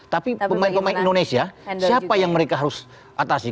tapi pemain pemain indonesia siapa yang mereka harus atasi